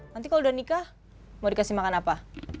nanti kalau udah nikah mau dikasih makan apa